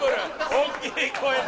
大きい声で。